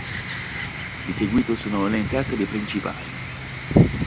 Di seguito sono elencate le principali.